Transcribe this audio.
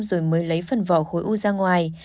rồi mới lấy phần vỏ khối u ra ngoài